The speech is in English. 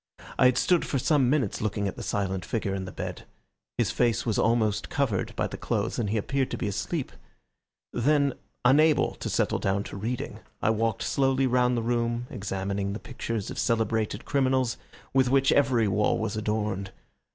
I had stood for some minutes looking at the silent figure in the bed. His face was almost covered by the clothes and he appeared to be asleep. Then, unable to settle down to reading, I walked slowly round the room, examining the pictures of celebrated criminals with which every wall was adorned.